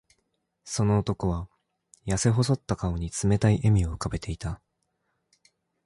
その男は、やせ細った顔に冷たい笑みを浮かべていた。